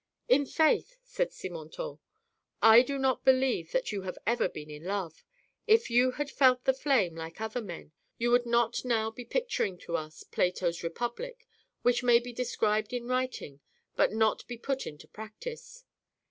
" In faith," said Simontault, " I do not believe that you have ever been in love. If you had felt the flame like other men, you would not now be picturing to us Plato's Republic, which may be described in writing but not be put into practice."